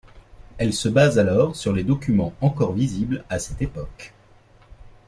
Elle se base alors sur les documents encore visible à cette époque.